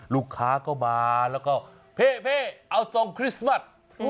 ลูกค้าก็มาพ่อพ่อพ่อเอาทรงคริสต์มัส